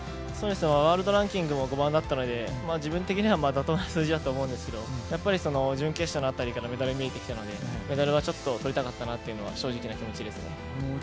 ワールドランキングも５番だったので、自分の中では妥当な数字だと思うんですけどやっぱり準決勝の辺りからメダルが見えてきたので、メダルは取りたかったなというのが正直な気持ちですね。